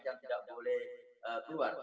yang tidak boleh keluar